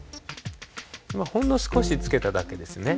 今ほんの少しつけただけですね。